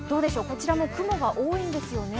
こちらも雲が多いんですよね。